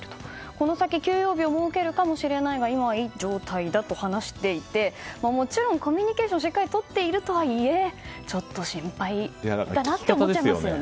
この先、休養日を設けるかもしれないが今はいい状態だと話していてもちろんコミュニケーションをしっかりとっているとはいえちょっと心配だなと思っちゃいますよね。